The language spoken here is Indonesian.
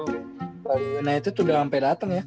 bali united udah sampai datang ya